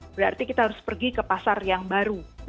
berarti kita harus pergi ke pasar yang baru